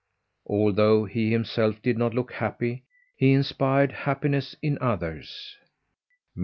Although he himself did not look happy, he inspired happiness in others.